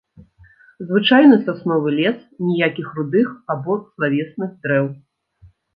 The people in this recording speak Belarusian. Звычайны сасновы лес, ніякіх рудых або злавесных дрэў.